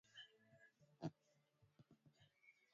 Biko alikutwa na majeraha makubwa kichwani kwake